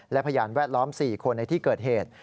และพยานแวดล้อม๔คนในที่เกิดเหตุ